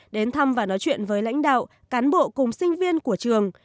đến thăm và nói chuyện với lãnh đạo cán bộ cùng sinh viên của trường